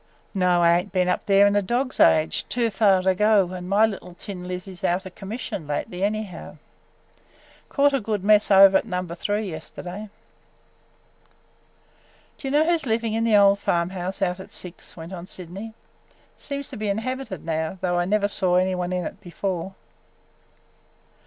"No, I ain't been up there in a dog's age. Too fur to go, an' my little tin Lizzie's out o' commission lately anyhow. Caught a good mess over at Number Three yesterday." "Do you know who 's living in the old farm house out at Six?" went on Sydney. "Seems to be inhabited now, though I never saw any one in it before."